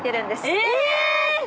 え！